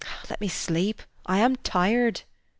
Let me sleep. I am tired."